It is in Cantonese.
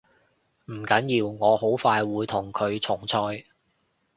唔緊要，我好快會同佢重賽